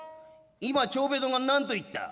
今長兵衛どんが何と云った。